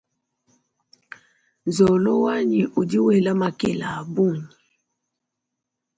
Nzolo wanyi udi wela makele abunyi.